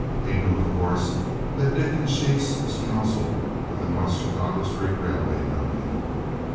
He knew, of course, that Dickensheets was counsel for the North Chicago Street Railway Company.